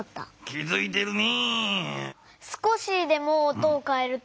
気づいてるね！